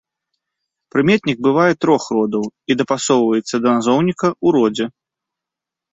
Прыметнік бывае трох родаў і дапасоўваецца да назоўніка ў родзе.